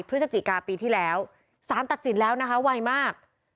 พฤศจิกาปีที่แล้วสารตัดสินแล้วนะคะไวมาก